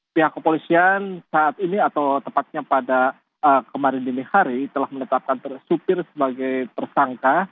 pihak kepolisian saat ini atau tepatnya pada kemarin dini hari telah menetapkan supir sebagai tersangka